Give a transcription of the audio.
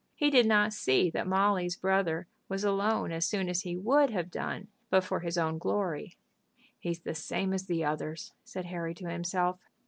He did not see that Molly's brother was alone as soon as he would have done but for his own glory. "He is the same as the others," said Harry to himself.